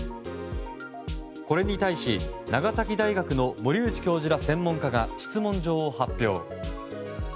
これに対し、長崎大学の森内教授ら専門家が質問状を発表。